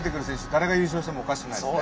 誰が優勝してもおかしくないですね。